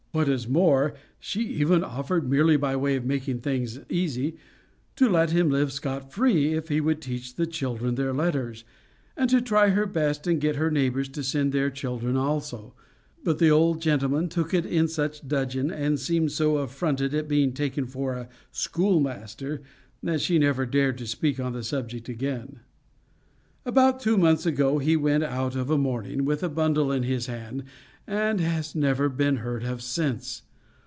What is more, she even offered, merely by way of making things easy, to let him live scot free, if he would teach the children their letters; and to try her best and get her neighbors to send their children also; but the old gentleman took it in such dudgeon, and seemed so affronted at being taken for a schoolmaster, that she never dared to speak on the subject again. About two months ago, he went out of a morning, with a bundle in his hand and has never been heard of since.